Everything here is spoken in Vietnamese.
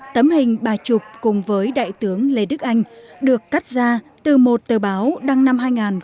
tấm hình bà chụp cùng với đại tướng lê đức anh được cắt ra từ một tờ báo đăng năm hai nghìn một mươi